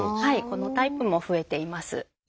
このタイプも増えています。